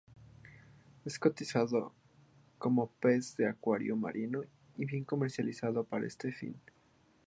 Es cotizado como pez de acuario marino y bien comercializado para este fin.